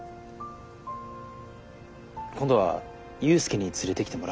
今度は勇介に連れてきてもらうか。